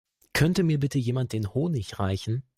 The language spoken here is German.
Könnte mir bitte jemand den Honig reichen?